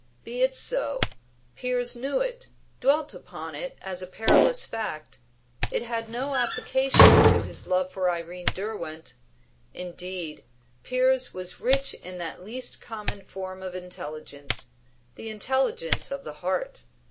Be it so; Piers knew it, dwelt upon it as a perilous fact; it had no application to his love for Irene Derwent. Indeed, Piers was rich in that least common form of intelligence the intelligence of the heart.